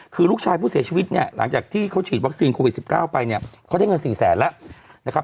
คือลูกชายผู้เสียชีวิตเนี่ยหลังจากที่เขาฉีดวัคซีนโควิด๑๙ไปเนี่ยเขาได้เงิน๔แสนแล้วนะครับ